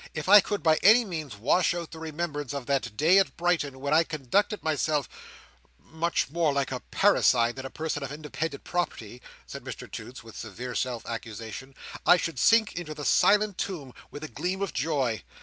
If I could by any means wash out the remembrance of that day at Brighton, when I conducted myself—much more like a Parricide than a person of independent property," said Mr Toots, with severe self accusation, "I should sink into the silent tomb with a gleam of joy."